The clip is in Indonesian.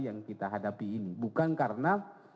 yang kita hadapi ini bukan karena